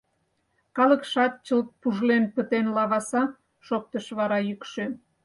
— Калыкшат чылт пужлен пытен, лаваса, — шоктыш вара йӱкшӧ.